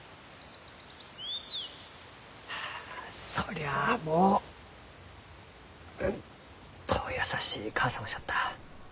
あそりゃあもううんと優しい母様じゃった。